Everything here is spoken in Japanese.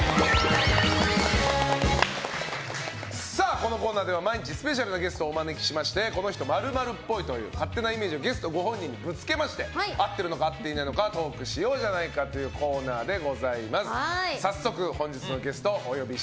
このコーナーでは毎日スペシャルなゲストをお迎えしてこの人○○っぽいという勝手なイメージをゲストご本人にぶつけまして合ってるのか合っていないのかトークしようじゃないかというコーナーです。